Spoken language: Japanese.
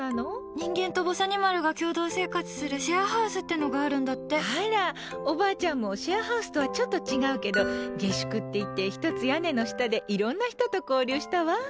人間とぼさにまるが共同生活するシェアハウスっていうのがあら、おばあちゃんもシェアハウスとはちょっと違うけど下宿っていって、一つ屋根の下でいろんな人と交流したわ。